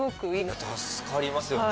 助かりますよね。